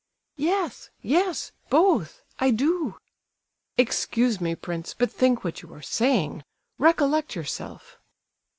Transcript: _" "Yes—yes—both! I do!" "Excuse me, prince, but think what you are saying! Recollect yourself!"